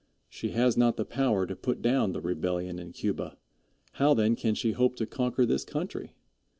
She has not the power to put down the rebellion in Cuba. How then can she hope to conquer this country?